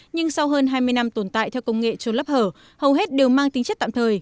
nhưng sau hơn hai mươi năm tồn tại theo công nghệ trôn lấp hở hầu hết đều mang tính chất tạm thời